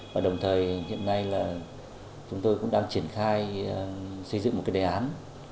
và đồng thời hiện nay là chúng tôi cũng đang triển khai xây dựng một cái đề án